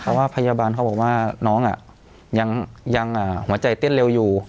เพราะว่าพยาบาลเขาบอกว่าน้องยังหัวใจเต้นเร็วอยู่